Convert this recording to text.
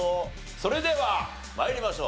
それでは参りましょう。